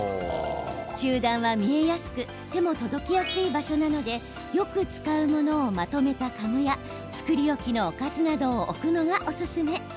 中段は見えやすく手も届きやすい場所なのでよく使うものをまとめた籠や作り置きのおかずなどを置くのがおすすめ。